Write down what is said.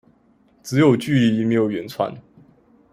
只有距離沒有遠傳